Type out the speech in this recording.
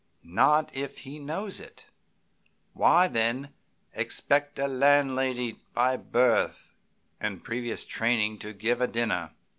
Not if he knows it. Why, then, expect a landlady, by birth and previous training, to give a dinner?"